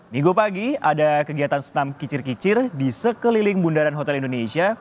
minggu pagi ada kegiatan senam kicir kicir di sekeliling bundaran hotel indonesia